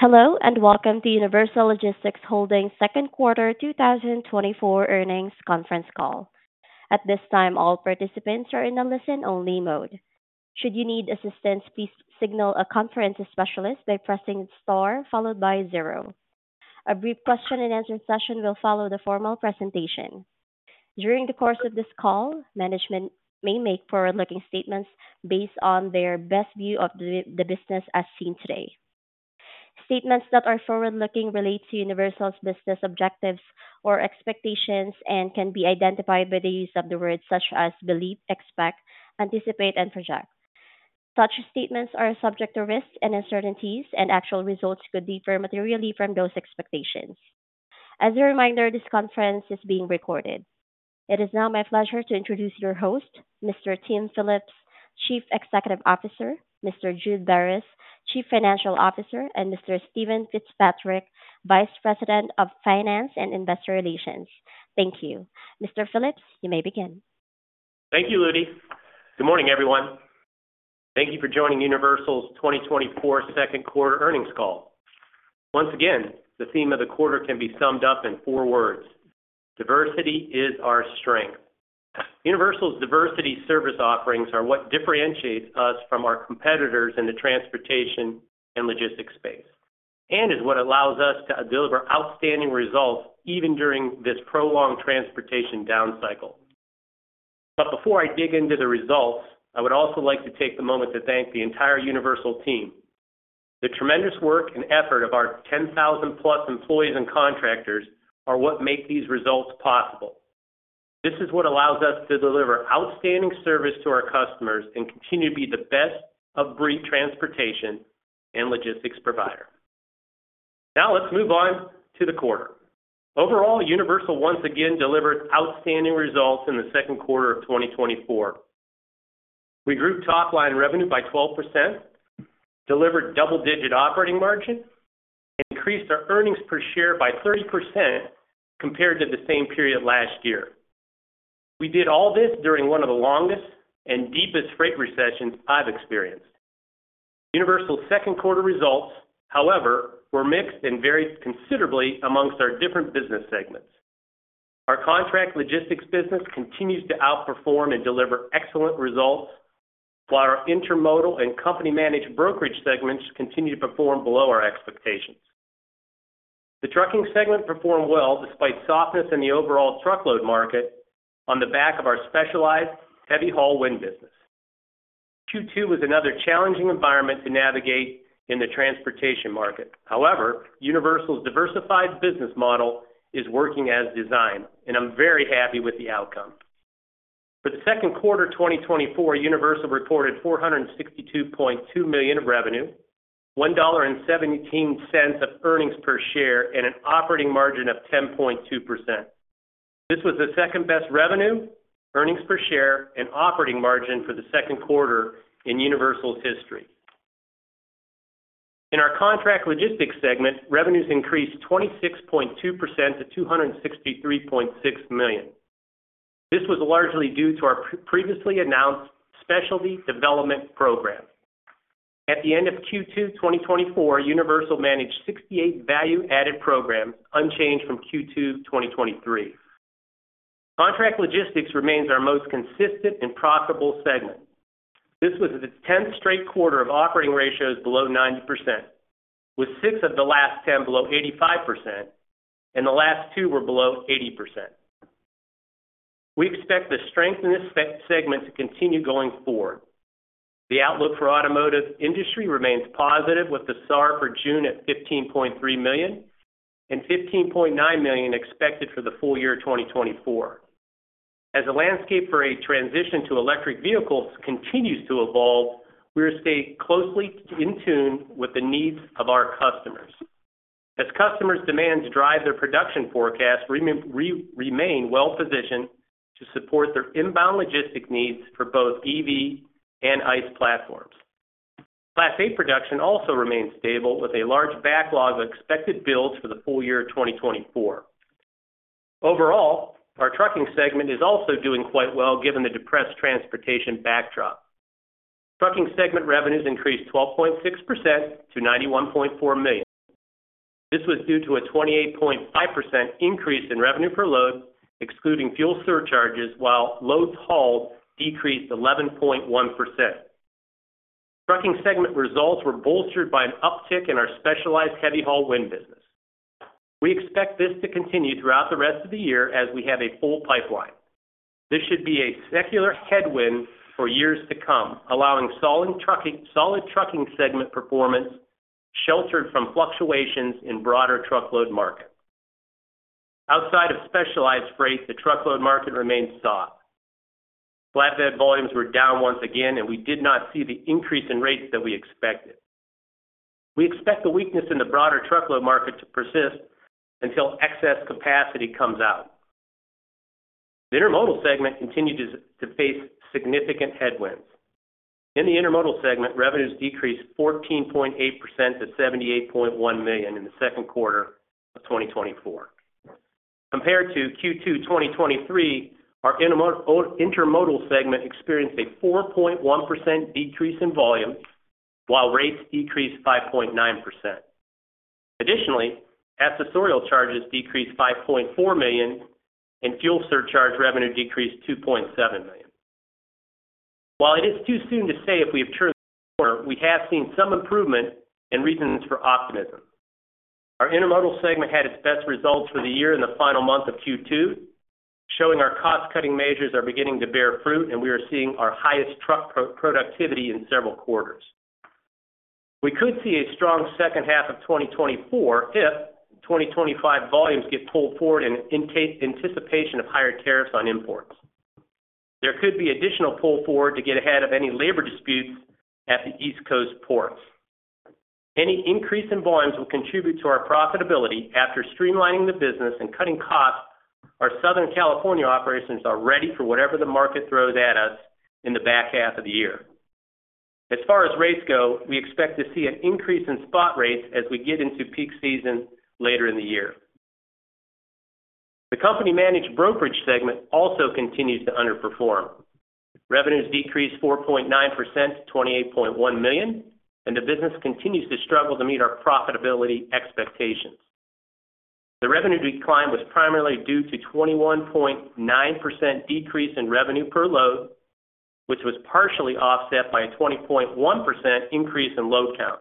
Hello, and welcome to Universal Logistics Holdings Q2 2024 Earnings Conference Call. At this time, all participants are in a listen-only mode. Should you need assistance, please signal a conference specialist by pressing star followed by zero. A brief question-and-answer session will follow the formal presentation. During the course of this call, management may make forward-looking statements based on their best view of the business as seen today. Statements that are forward-looking relate to Universal's business objectives or expectations and can be identified by the use of the words such as believe, expect, anticipate, and project. Such statements are subject to risks and uncertainties, and actual results could differ materially from those expectations. As a reminder, this conference is being recorded. It is now my pleasure to introduce your host, Mr. Tim Phillips, Chief Executive Officer; Mr. Jude Beres, Chief Financial Officer; and Mr. Steven Fitzpatrick, Vice President of Finance and Investor Relations. Thank you. Mr. Phillips, you may begin. Thank you, Ludy. Good morning, everyone. Thank you for joining Universal's 2024 Q2 Earnings Call. Once again, the theme of the quarter can be summed up in four words: Diversity is our strength. Universal's diversity service offerings are what differentiates us from our competitors in the transportation and logistics space. And is what allows us to deliver outstanding results even during this prolonged transportation down cycle. But before I dig into the results, I would also like to take the moment to thank the entire Universal team. The tremendous work and effort of our 10,000-plus employees and contractors are what make these results possible. This is what allows us to deliver outstanding service to our customers and continue to be the best of breed transportation and logistics provider. Now, let's move on to the quarter. Overall, Universal once again delivered outstanding results in the Q2 of 2024. We grew top-line revenue by 12%, delivered double-digit operating margin, increased our earnings per share by 30% compared to the same period last year. We did all this during one of the longest and deepest freight recessions I've experienced. Universal's Q2 results, however, were mixed and varied considerably among our different business segments. Our contract logistics business continues to outperform and deliver excellent results, while our Intermodal and company-managed brokerage segments continue to perform below our expectations. The trucking segment performed well, despite softness in the overall truckload market, on the back of our specialized heavy haul wind business. Q2 was another challenging environment to navigate in the transportation market. However, Universal's diversified business model is working as designed, and I'm very happy with the outcome. For the Q2 2024, Universal reported $462.2 million of revenue, $1.17 of earnings per share, and an operating margin of 10.2%. This was the second-best revenue, earnings per share, and operating margin for the Q2 in Universal's history. In our contract logistics segment, revenues increased 26.2% to $263.6 million. This was largely due to our previously announced specialty development program. At the end of Q2 2024, Universal managed 68 value-added programs, unchanged from Q2 2023. Contract logistics remains our most consistent and profitable segment. This was the 10th straight quarter of operating ratios below 90%, with six of the last ten below 85%, and the last two were below 80%. We expect the strength in this segment to continue going forward. The outlook for automotive industry remains positive, with the SAR for June at 15.3 million and 15.9 million expected for the full year 2024. As the landscape for a transition to electric vehicles continues to evolve, we remain closely in tune with the needs of our customers. As customers' demands drive their production forecast, remain well positioned to support their inbound logistics needs for both EV and ICE platforms. Class 8 production also remains stable, with a large backlog of expected builds for the full year 2024. Overall, our trucking segment is also doing quite well, given the depressed transportation backdrop. Trucking segment revenues increased 12.6% to $91.4 million. This was due to a 28.5% increase in revenue per load, excluding fuel surcharges, while loads hauled decreased 11.1%. Trucking segment results were bolstered by an uptick in our specialized heavy haul wind business. We expect this to continue throughout the rest of the year as we have a full pipeline. This should be a secular headwind for years to come, allowing solid trucking, solid trucking segment performance, sheltered from fluctuations in broader truckload market. Outside of specialized freight, the truckload market remains soft. Flatbed volumes were down once again, and we did not see the increase in rates that we expected. We expect the weakness in the broader truckload market to persist until excess capacity comes out. The Intermodal segment continued to face significant headwinds. In the Intermodal segment, revenues decreased 14.8% to $78.1 million in the Q2 of 2024, compared to Q2 2023. Our Intermodal segment experienced a 4.1% decrease in volume, while rates decreased 5.9%. Additionally, accessorial charges decreased $5.4 million, and fuel surcharge revenue decreased $2.7 million. While it is too soon to say if we have turned the corner, we have seen some improvement and reasons for optimism. Our Intermodal segment had its best results for the year in the final month of Q2, showing our cost-cutting measures are beginning to bear fruit, and we are seeing our highest truck productivity in several quarters. We could see a strong second half of 2024 if 2025 volumes get pulled forward in anticipation of higher tariffs on imports. There could be additional pull forward to get ahead of any labor disputes at the East Coast ports. Any increase in volumes will contribute to our profitability. After streamlining the business and cutting costs, our Southern California operations are ready for whatever the market throws at us in the back half of the year. As far as rates go, we expect to see an increase in spot rates as we get into peak season later in the year. The company-managed brokerage segment also continues to underperform. Revenues decreased 4.9% to $28.1 million, and the business continues to struggle to meet our profitability expectations. The revenue decline was primarily due to 21.9% decrease in revenue per load, which was partially offset by a 20.1% increase in load count.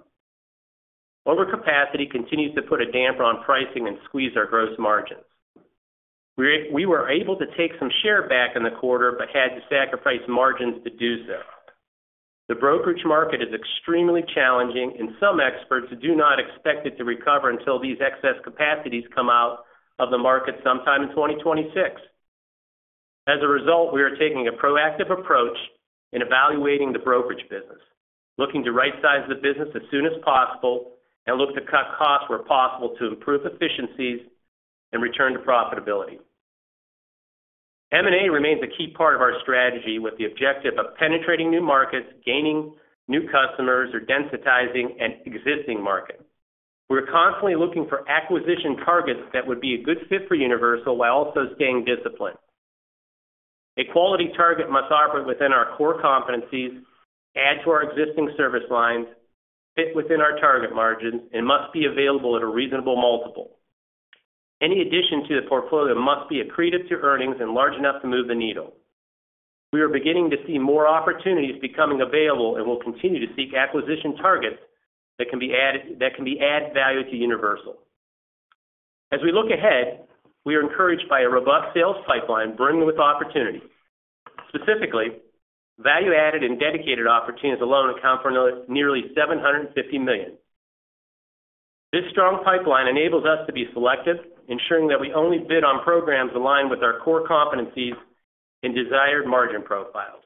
Overcapacity continues to put a damper on pricing and squeeze our gross margins. We were able to take some share back in the quarter, but had to sacrifice margins to do so. The brokerage market is extremely challenging, and some experts do not expect it to recover until these excess capacities come out of the market sometime in 2026. As a result, we are taking a proactive approach in evaluating the brokerage business, looking to rightsize the business as soon as possible and look to cut costs where possible to improve efficiencies and return to profitability. M&A remains a key part of our strategy, with the objective of penetrating new markets, gaining new customers, or densifying an existing market. We're constantly looking for acquisition targets that would be a good fit for Universal while also staying disciplined. A quality target must operate within our core competencies, add to our existing service lines, fit within our target margins, and must be available at a reasonable multiple. Any addition to the portfolio must be accretive to earnings and large enough to move the needle. We are beginning to see more opportunities becoming available, and we'll continue to seek acquisition targets that can be added, that can add value to Universal. As we look ahead, we are encouraged by a robust sales pipeline brimming with opportunity. Specifically, value-added and dedicated opportunities alone account for nearly $750 million. This strong pipeline enables us to be selective, ensuring that we only bid on programs aligned with our core competencies and desired margin profiles.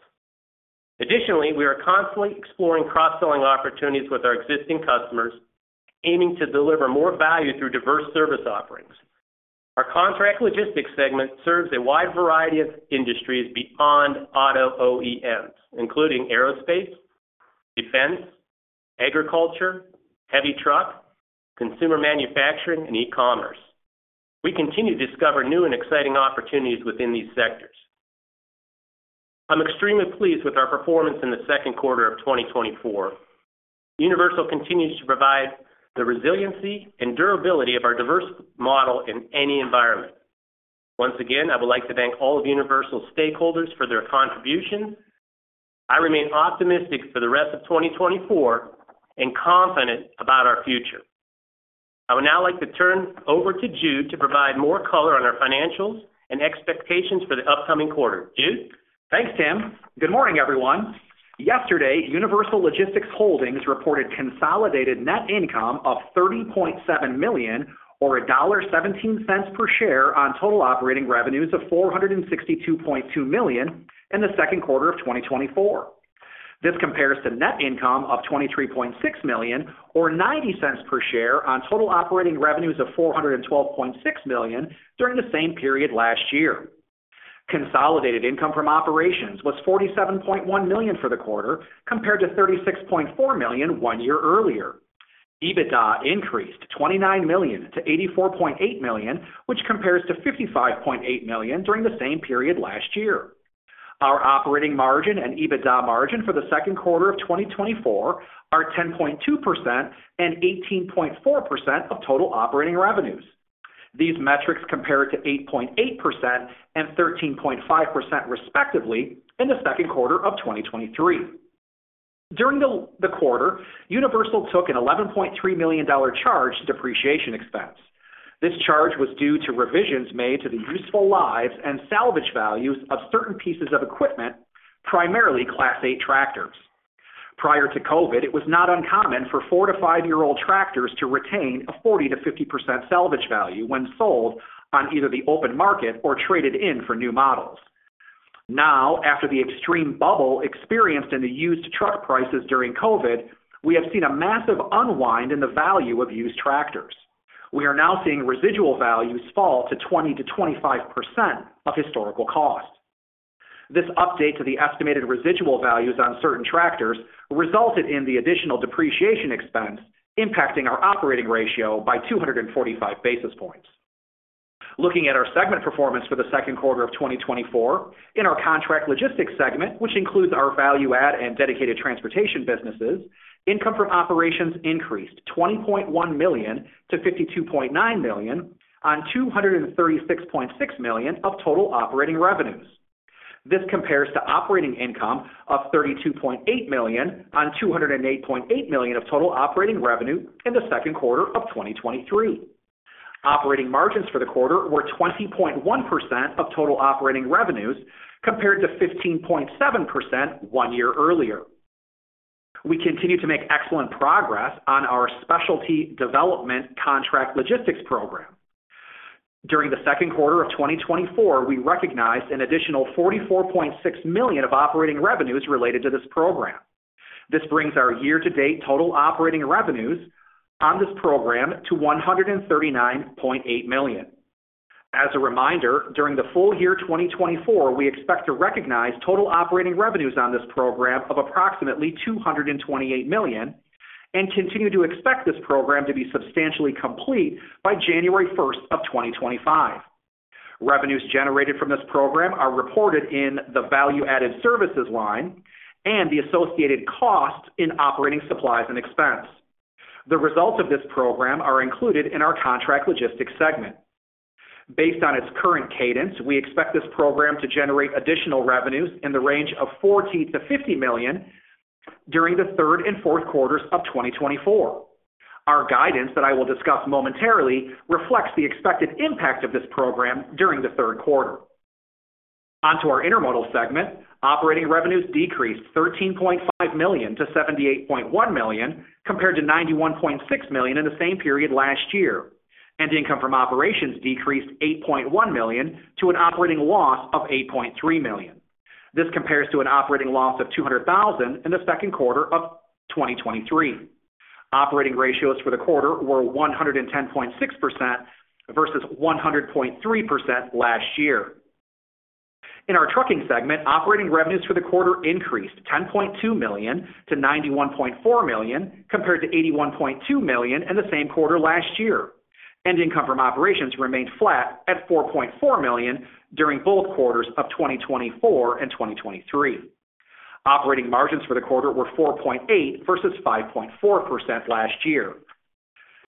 Additionally, we are constantly exploring cross-selling opportunities with our existing customers, aiming to deliver more value through diverse service offerings. Our contract logistics segment serves a wide variety of industries beyond auto OEMs, including aerospace, defense, agriculture, heavy truck, consumer manufacturing, and e-commerce. We continue to discover new and exciting opportunities within these sectors. I'm extremely pleased with our performance in the Q2 of 2024. Universal continues to provide the resiliency and durability of our diverse model in any environment. Once again, I would like to thank all of Universal's stakeholders for their contributions. I remain optimistic for the rest of 2024 and confident about our future. I would now like to turn over to Jude to provide more color on our financials and expectations for the upcoming quarter. Jude? Thanks, Tim. Good morning, everyone. Yesterday, Universal Logistics Holdings reported consolidated net income of $30.7 million, or $1.17 per share, on total operating revenues of $462.2 million in the Q2 of 2024. This compares to net income of $23.6 million, or $0.90 per share, on total operating revenues of $412.6 million during the same period last year. Consolidated income from operations was $47.1 million for the quarter, compared to $36.4 million one year earlier. EBITDA increased to $29 million to 84.8 million, which compares to $55.8 million during the same period last year. Our operating margin and EBITDA margin for the Q2 of 2024 are 10.2% and 18.4% of total operating revenues. These metrics compare to 8.8% and 13.5%, respectively, in the Q2 of 2023. During the quarter, Universal took an $11.3 million charge to depreciation expense. This charge was due to revisions made to the useful lives and salvage values of certain pieces of equipment, primarily Class 8 tractors. Prior to COVID, it was not uncommon for 4- to 5-year-old tractors to retain a 40%-50% salvage value when sold on either the open market or traded in for new models. Now, after the extreme bubble experienced in the used truck prices during COVID, we have seen a massive unwind in the value of used tractors. We are now seeing residual values fall to 20%-25% of historical cost. This update to the estimated residual values on certain tractors resulted in the additional depreciation expense, impacting our operating ratio by 245 basis points. Looking at our segment performance for the Q2 of 2024, in our contract logistics segment, which includes our value add and dedicated transportation businesses, income from operations increased $20.1 million to $52.9 million on 236.6 million of total operating revenues. This compares to operating income of $32.8 million on 208.8 million of total operating revenue in the Q2 of 2023. Operating margins for the quarter were 20.1% of total operating revenues, compared to 15.7% one year earlier. We continue to make excellent progress on our specialty development contract logistics program. During the Q2 of 2024, we recognized an additional $44.6 million of operating revenues related to this program. This brings our year-to-date total operating revenues on this program to $139.8 million. As a reminder, during the full year 2024, we expect to recognize total operating revenues on this program of approximately $228 million and continue to expect this program to be substantially complete by 1 January 2025. Revenues generated from this program are reported in the value-added services line and the associated costs in operating supplies and expense. The results of this program are included in our contract logistics segment. Based on its current cadence, we expect this program to generate additional revenues in the range of $40 million-50 million during the Q3 and Q4s of 2024. Our guidance, that I will discuss momentarily, reflects the expected impact of this program during the Q3. On to our Intermodal segment. Operating revenues decreased $13.5 million to 78.1 million, compared to $91.6 million in the same period last year, and income from operations decreased $8.1 million to an operating loss of $8.3 million. This compares to an operating loss of $200,000 in the Q2 of 2023. Operating ratios for the quarter were 110.6% versus 100.3% last year. In our trucking segment, operating revenues for the quarter increased $10.2 million to 91.4 million, compared to $81.2 million in the same quarter last year, and income from operations remained flat at $4.4 million during both quarters of 2024 and 2023. Operating margins for the quarter were 4.8% versus 5.4% last year.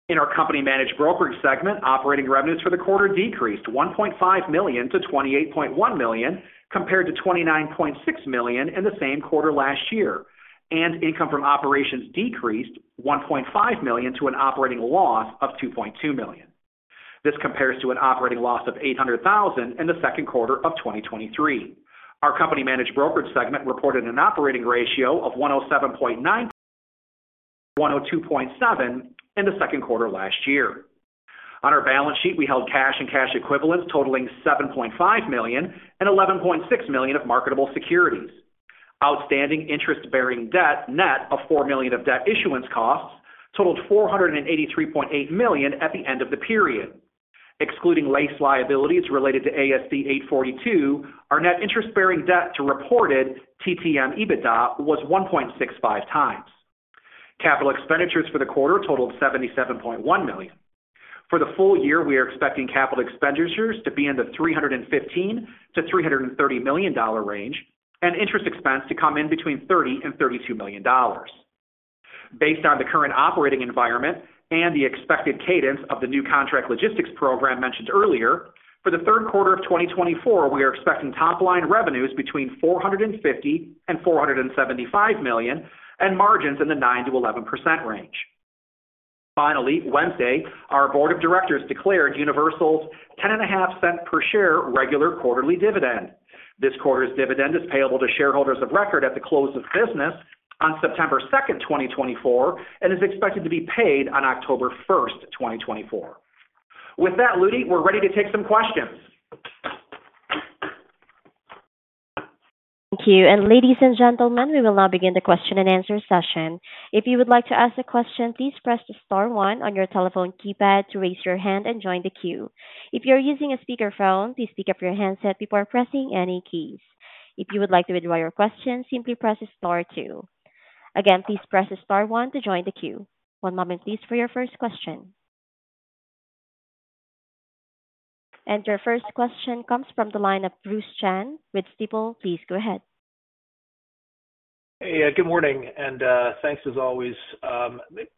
In our company managed brokerage segment, operating revenues for the quarter decreased $1.5 million to 28.1 million, compared to $29.6 million in the same quarter last year, and income from operations decreased $1.5 million to an operating loss of $2.2 million. This compares to an operating loss of $800,000 in the Q2 of 2023. Our company-managed brokerage segment reported an operating ratio of 107.9, 102.7 in the Q2 last year. On our balance sheet, we held cash and cash equivalents totaling $7.5 million and $11.6 million of marketable securities. Outstanding interest-bearing debt, net of $4 million of debt issuance costs, totaled $483.8 million at the end of the period. Excluding lease liabilities related to ASC 842, our net interest-bearing debt to reported TTM EBITDA was 1.65 times. Capital expenditures for the quarter totaled $77.1 million. For the full year, we are expecting capital expenditures to be in the $315-330 million range, and interest expense to come in between $30-32 million. Based on the current operating environment and the expected cadence of the new contract logistics program mentioned earlier, for the Q3 of 2024, we are expecting top-line revenues between $450 million and 475 million, and margins in the 9%-11% range. Finally, Wednesday, our board of directors declared Universal's $0.105 per share regular quarterly dividend. This quarter's dividend is payable to shareholders of record at the close of business on 2 September 2024, and is expected to be paid on 1 October 2024. With that, Ludy, we're ready to take some questions. Thank you. And ladies and gentlemen, we will now begin the question-and-answer session. If you would like to ask a question, please press the star one on your telephone keypad to raise your hand and join the queue. If you're using a speakerphone, please pick up your handset before pressing any keys. If you would like to withdraw your question, simply press star two. Again, please press star one to join the queue. One moment, please, for your first question. And your first question comes from the line of Bruce Chan with Stifel. Please go ahead. Hey, good morning, and thanks, as always.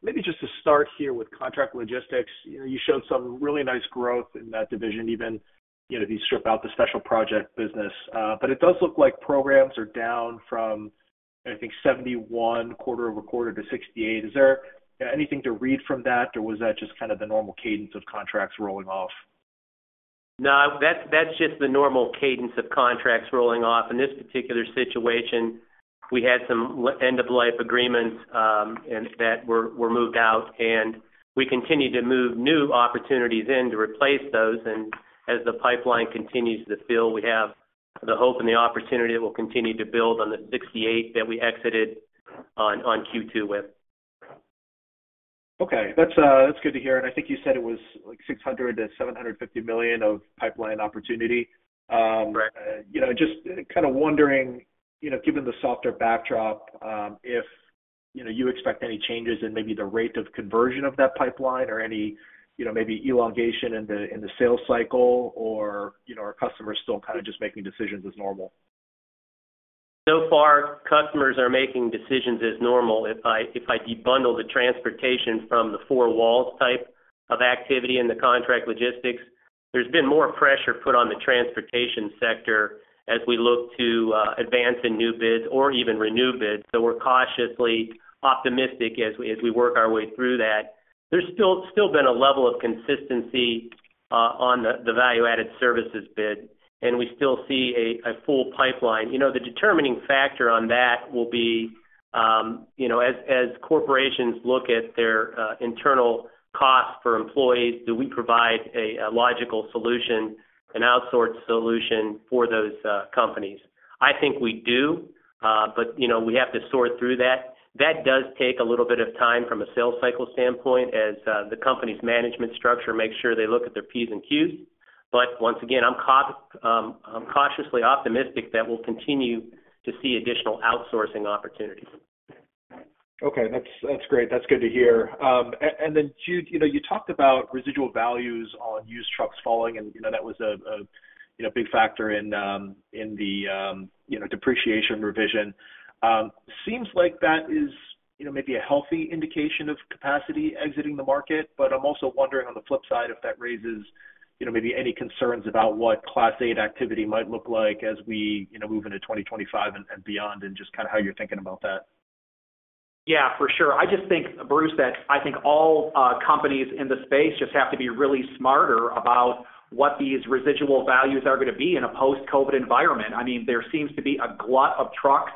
Maybe just to start here with contract logistics. You know, you showed some really nice growth in that division, even, you know, if you strip out the special project business. But it does look like programs are down from, I think, 71 quarter-over-quarter to 68. Is there anything to read from that, or was that just kind of the normal cadence of contracts rolling off? No, that's, that's just the normal cadence of contracts rolling off. In this particular situation, we had some end-of-life agreements, and that were moved out, and we continued to move new opportunities in to replace those. And as the pipeline continues to fill, we have the hope and the opportunity it will continue to build on the 68 that we exited on Q2 with. Okay, that's, that's good to hear. And I think you said it was like $600 million-750 million of pipeline opportunity. Right. You know, just kind of wondering, you know, given the softer backdrop, if, you know, you expect any changes in maybe the rate of conversion of that pipeline or any, you know, maybe elongation in the, in the sales cycle, or, you know, are customers still kind of just making decisions as normal? So far, customers are making decisions as normal. If I debundle the transportation from the four walls type of activity in the contract logistics, there's been more pressure put on the transportation sector as we look to advance in new bids or even renew bids. So, we're cautiously optimistic as we work our way through that. There's still been a level of consistency on the value-added services bid, and we still see a full pipeline. You know, the determining factor on that will be, you know, as corporations look at their internal costs for employees, do we provide a logical solution, an outsourced solution for those companies? I think we do, but, you know, we have to sort through that. That does take a little bit of time from a sales cycle standpoint as the company's management structure makes sure they look at their P's and Q's. But once again, I'm cautiously optimistic that we'll continue to see additional outsourcing opportunities. Okay. That's, that's great. That's good to hear. And then, Jude, you know, you talked about residual values on used trucks falling and, you know, that was you know, big factor in the you know, depreciation revision. Seems like that is, you know, maybe a healthy indication of capacity exiting the market. But I'm also wondering on the flip side, if that raises, you know, maybe any concerns about what Class 8 activity might look like as we, you know, move into 2025 and beyond, and just kind of how you're thinking about that. Yeah, for sure. I just think, Bruce, that all companies in the space just have to be really smarter about what these residual values are going to be in a post-COVID environment. I mean, there seems to be a glut of trucks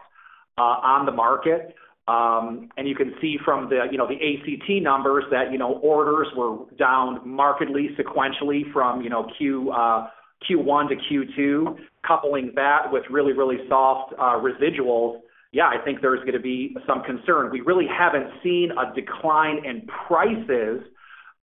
on the market. And you can see from the, you know, the ACT numbers that, you know, orders were down markedly, sequentially from, you know, Q1 to Q2, coupling that with really, really soft residuals. Yeah, I think there's going to be some concern. We really haven't seen a decline in prices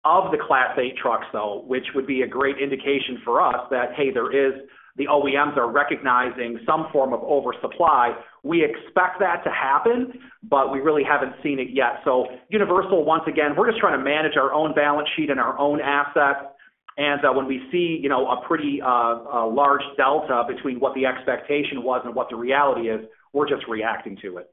of the Class 8 trucks, though, which would be a great indication for us that, hey, there is he OEMs are recognizing some form of oversupply. We expect that to happen, but we really haven't seen it yet. So Universal, once again, we're just trying to manage our own balance sheet and our own assets. And, when we see, you know, a pretty, large delta between what the expectation was and what the reality is, we're just reacting to it.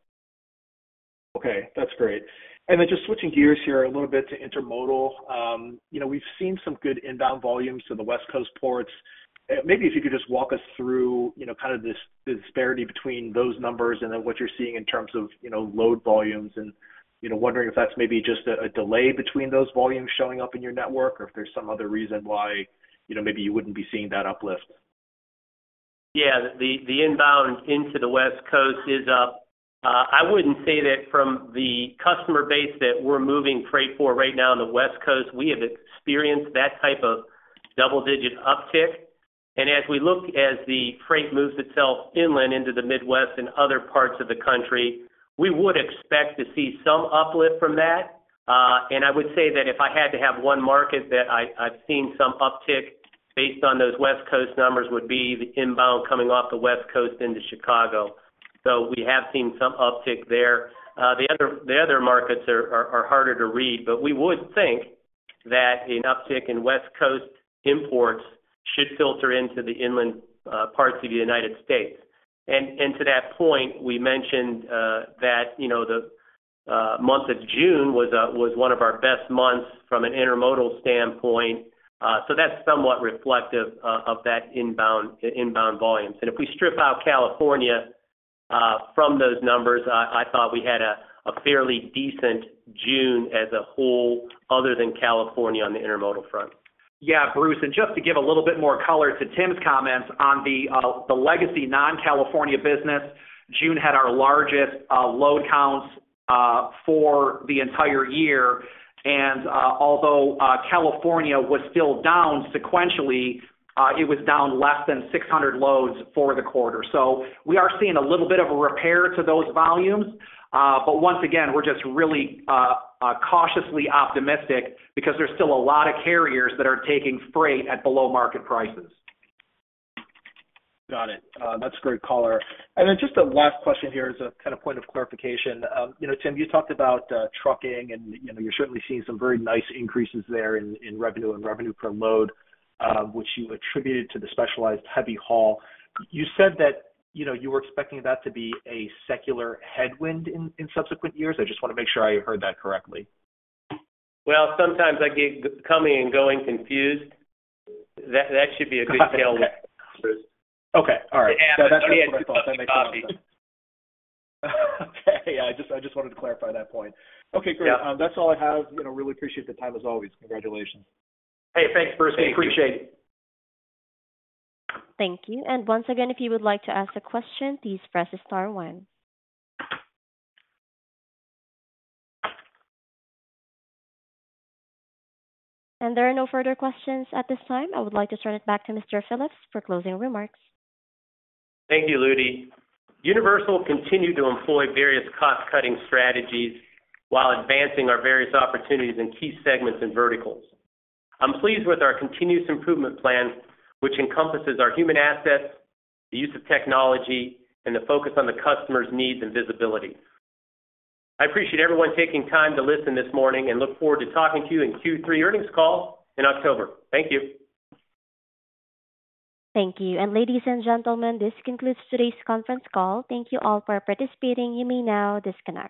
Okay, that's great. Then just switching gears here a little bit to Intermodal. You know, we've seen some good inbound volumes to the West Coast ports. Maybe if you could just walk us through, you know, kind of this disparity between those numbers and then what you're seeing in terms of, you know, load volumes, and, you know, wondering if that's maybe just a delay between those volumes showing up in your network, or if there's some other reason why, you know, maybe you wouldn't be seeing that uplift. Yeah, the inbound into the West Coast is up. I wouldn't say that from the customer base that we're moving freight for right now on the West Coast, we have experienced that type of double-digit uptick. And as we look as the freight moves itself inland into the Midwest and other parts of the country, we would expect to see some uplift from that. And I would say that if I had to have one market that I've seen some uptick based on those West Coast numbers, would be the inbound coming off the West Coast into Chicago. So, we have seen some uptick there. The other markets are harder to read, but we would think that an uptick in West Coast imports should filter into the inland parts of the United States. To that point, we mentioned that, you know, the month of June was one of our best months from an Intermodal standpoint. So that's somewhat reflective of that inbound volumes. And if we strip out California from those numbers, I thought we had a fairly decent June as a whole, other than California, on the Intermodal front. Yeah, Bruce, and just to give a little bit more color to Tim's comments on the legacy non-California business, June had our largest load counts for the entire year, and although California was still down sequentially, it was down less than 600 loads for the quarter. So we are seeing a little bit of a repair to those volumes. But once again, we're just really cautiously optimistic because there's still a lot of carriers that are taking freight at below market prices. Got it. That's great color. And then just a last question here as a kind of point of clarification. You know, Tim, you talked about trucking and, you know, you're certainly seeing some very nice increases there in revenue and revenue per load, which you attributed to the specialized heavy haul. You said that, you know, you were expecting that to be a secular headwind in subsequent years. I just want to make sure I heard that correctly. Well, sometimes I get coming and going confused. That, that should be a good tailwind. Okay. All right. Yeah, I've only had two cups of coffee. Okay. I just, I just wanted to clarify that point. Okay, great. Yeah. That's all I have. You know, really appreciate the time, as always. Congratulations. Hey, thanks, Bruce. Thank you. We appreciate it. Thank you. Once again, if you would like to ask a question, please press star one. There are no further questions at this time. I would like to turn it back to Mr. Phillips for closing remarks. Thank you, Ludy. Universal continued to employ various cost-cutting strategies while advancing our various opportunities in key segments and verticals. I'm pleased with our continuous improvement plan, which encompasses our human assets, the use of technology, and the focus on the customer's needs and visibility. I appreciate everyone taking time to listen this morning, and look forward to talking to you in Q3 earnings call in October. Thank you. Thank you. Ladies and gentlemen, this concludes today's conference call. Thank you all for participating. You may now disconnect.